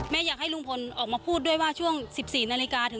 แม่อยากให้ลุงพลมาพูดด้วยว่าช่วง๑๔๑๖นิลลิกาคุณอยู่ไหน